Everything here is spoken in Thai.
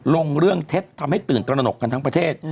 ลงเรื่องเท็จทำให้ตื่นตระหนกกันทั้งประเทศ